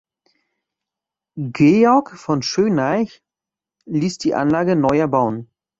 Georg von Schoenaich ließ die Anlage neu erbauen.